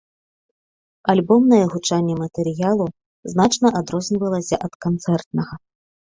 Альбомнае гучанне матэрыялу значна адрознівалася ад канцэртнага.